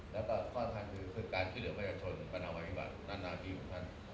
แล้วก็ข้ออธันต์คือคือการคิดเหลือไม่ได้ชนปัญหาวัยพิบัตรนานนาทีของท่าน